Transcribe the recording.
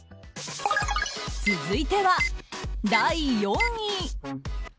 続いては、第４位。